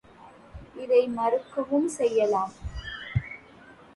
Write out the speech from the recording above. இதை மறுக்கவும் செய்யலாம்.